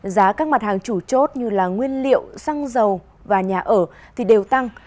giá các mặt hàng chủ chốt như nguyên liệu xăng dầu và nhà ở thì đều tăng